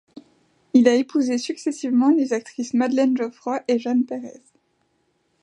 Il a épousé successivement les actrices Madeleine Geoffroy et Jeanne Pérez.